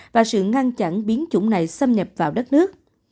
và sự ngăn chặn biến chủng này xâm nhập vào đất nước